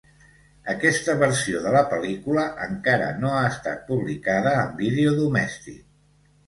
Aquesta versió de la pel·lícula encara no ha estat publicada en vídeo domèstic.